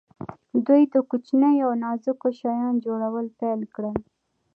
دوی د کوچنیو او نازکو شیانو جوړول پیل کړل.